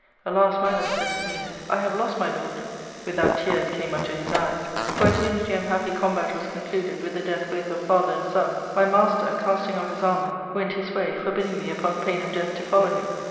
" Alas ! madam," said Ismenus, " I have lost my lord !"— with i;|^at tp^rff <"«"!<> i^^tn^hig eyes —" for, as soon as the unhappy combat was concluded with the death both of father and son, my master, casting off his armour, went his way, forbidding me, upon pain of death, to follow him.